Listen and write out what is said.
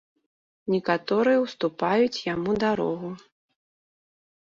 Некаторыя ўступаюць яму дарогу.